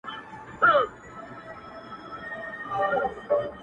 • یو د بل په ژبه پوه مي ننګرهار او کندهار کې -